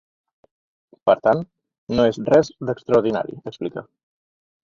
Per tant, no és res d’extraordinari, explica.